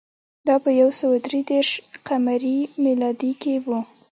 دا په یو سوه درې دېرش ق م کې و